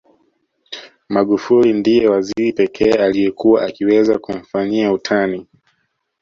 Magufuli ndiye waziri pekee aliyekuwa akiweza kumfanyia utani